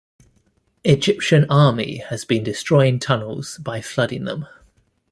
Egyptian Army has been destroying tunnels by flooding them.